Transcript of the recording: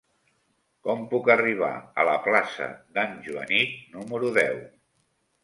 Com puc arribar a la plaça d'en Joanic número deu?